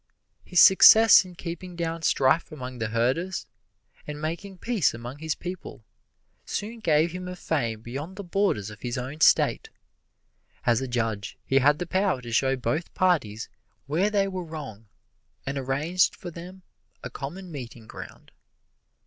His success in keeping down strife among the herders, and making peace among his people, soon gave him a fame beyond the borders of his own State. As a judge he had the power to show both parties where they were wrong, and arranged for them a common meeting ground.